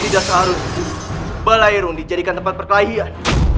tidak seharusnya balairung dijadikan tempat perkelahian